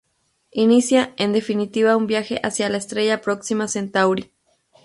Inicia, en definitiva, un viaje hacia la estrella Próxima Centauri.